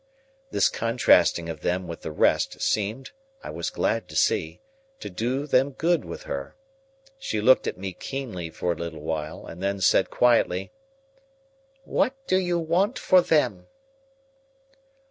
This contrasting of them with the rest seemed, I was glad to see, to do them good with her. She looked at me keenly for a little while, and then said quietly,— "What do you want for them?"